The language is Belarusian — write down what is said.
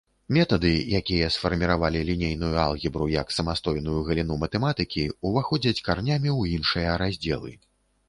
Метады, якія сфарміравалі лінейную алгебру як самастойную галіну матэматыкі, уваходзяць каранямі ў іншыя раздзелы.